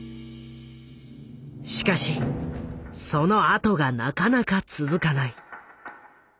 しかしそのあとがなかなか続かない。